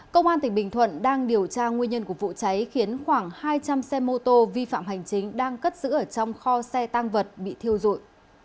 công an tỉnh bình thuận đang điều tra nguyên nhân của vụ cháy khiến khoảng hai trăm linh xe mô tô vi phạm hành chính đang cất giữ ở trong kho xe tăng vật bị thiêu dụi